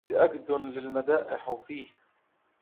لأكدَّنَّ للمدائح فيه